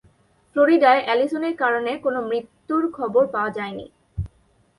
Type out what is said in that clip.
ফ্লোরিডায় অ্যালিসনের কারণে কোন মৃত্যুর খবর পাওয়া যায়নি।